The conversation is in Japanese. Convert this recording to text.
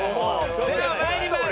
では参ります。